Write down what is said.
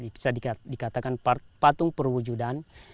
bisa dikatakan patung perwujudan